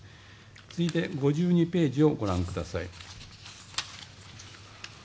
続いて５２ページをご覧ください。